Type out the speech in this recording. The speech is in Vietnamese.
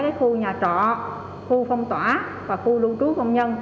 trong cái khu nhà trọ khu phong tỏa và khu lưu trú công nhân